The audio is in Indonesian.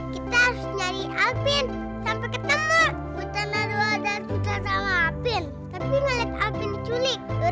kita harus nyari alvin sampai ketemu putra naruh dan putra sama alvin tapi ngeliat alvin diculik